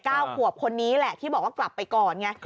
เก้าขวบคนนี้แหละที่บอกว่ากลับไปก่อนไง